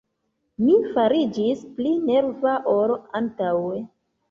Mi fariĝis pli nerva ol antaŭe.